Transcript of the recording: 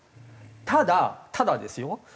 ただただですよ